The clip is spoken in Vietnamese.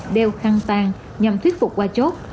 đeo khăn tan nhằm thuyết phục qua chốt